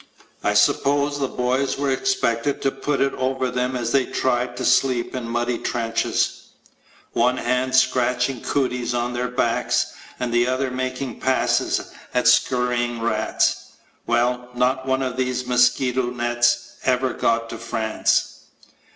I suppose the boys were expected to put it over them as they tried to sleep in muddy trenches one hand scratching cooties on their backs and the other making passes at scurrying rats. Well, not one of these mosquito nets ever got to France!